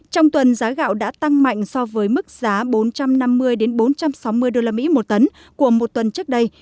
trong tuần giá gạo đã tăng mạnh so với mức giá bốn trăm năm mươi bốn trăm sáu mươi usd một tấn của một tuần trước đây